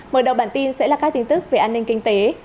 mở đầu bản tin sẽ là các tin tức về an ninh kinh tế